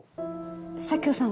佐京さん